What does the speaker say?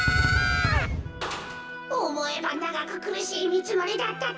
おもえばながくくるしいみちのりだったってか。